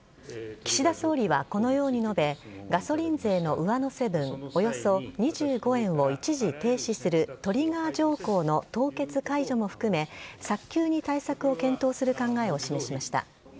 岸田総理はこのように述べ、ガソリン税の上乗せ分、およそ２５円を一時停止するトリガー条項の凍結解除も含め、早急に対策を検討する考えを示しました。